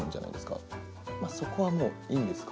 そこはもういいんですか？